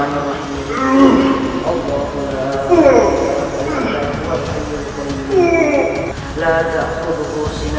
ayo berdua berdua